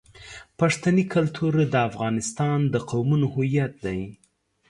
پښتني کلتور د افغانستان د قومونو هویت دی.